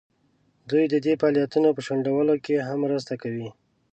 دوی د دې فعالیتونو په شنډولو کې هم مرسته کوي.